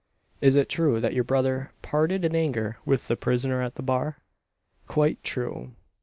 Is it true that your brother parted in anger with the prisoner at the bar?" "Quite true."